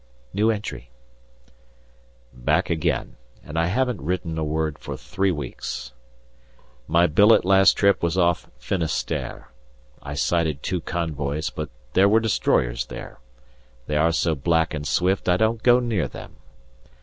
Back again, and I haven't written a word for three weeks. My billet last trip was off Finisterre. I sighted two convoys, but there were destroyers there; they are so black and swift I don't go near them.